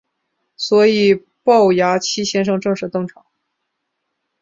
所以暴牙七先生正式登场。